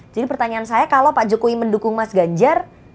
jadi pertanyaan saya kalau pak jokowi mendukung mas ganjar